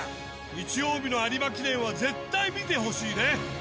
日曜日の有馬記念は絶対見てほしいね。